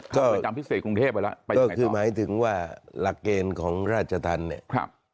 ก็คือหมายถึงว่าหลักเกณฑ์ของราชธรรมเนี้ยครับ